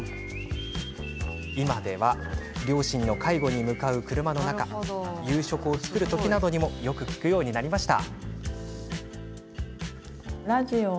今では両親の介護に向かう車の中夕食を作る時などにも聞くようになりました。